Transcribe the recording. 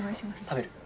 食べる？